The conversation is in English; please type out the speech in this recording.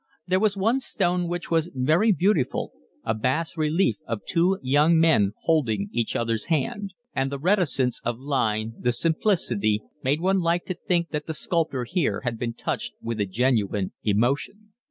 There was one stone which was very beautiful, a bas relief of two young men holding each other's hand; and the reticence of line, the simplicity, made one like to think that the sculptor here had been touched with a genuine emotion.